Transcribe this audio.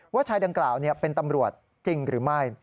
ชายดังกล่าวเป็นตำรวจจริงหรือไม่